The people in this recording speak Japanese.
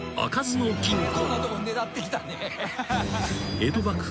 ［江戸幕府